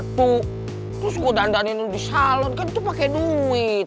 terus gua dandanin lu di salon kan itu pake duit